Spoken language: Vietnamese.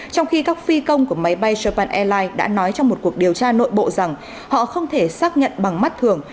trong khi các phi công của máy bay japan airlines đã nói trong một cuộc điều tra nội bộ rằng họ không thể xác nhận bằng mắt thường